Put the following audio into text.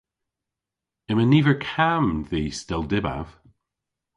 Yma niver kamm dhis dell dybav.